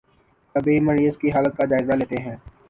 طبیب مریض کی حالت کا جائزہ لیتے ہیں